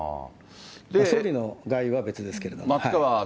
総理の外遊は別ですけれども。